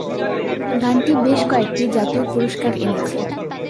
গানটি বেশ কয়েকটি জাতীয় পুরস্কার এনেছে।